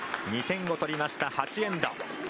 ２点を取りました、８エンド。